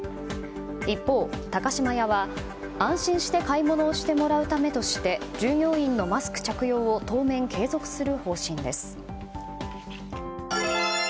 一方、高島屋は、安心して買い物をしてもらうためとして従業員のマスク着用を当面、継続する方針です。